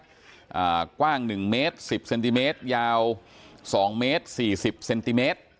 อ่ากว้างหนึ่งเมตรสิบเซนติเมตรยาวสองเมตรสี่สิบเซนติเมตร